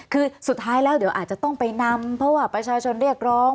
คือสุดท้ายแล้วเดี๋ยวอาจจะต้องไปนำเพราะว่าประชาชนเรียกร้อง